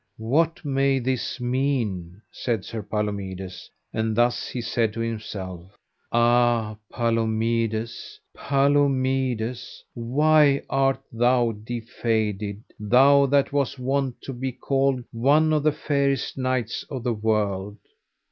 What may this mean? said Sir Palomides, and thus he said to himself: Ah, Palomides, Palomides, why art thou defaded, thou that was wont to be called one of the fairest knights of the world?